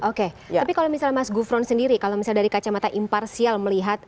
oke tapi kalau misalnya mas gufron sendiri kalau misalnya dari kacamata imparsial melihat